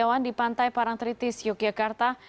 hendrawan setiawan pantai parang tritis yogyakarta